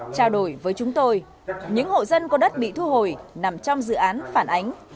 trao đổi với chúng tôi những hộ dân có đất bị thu hồi nằm trong dự án phản ánh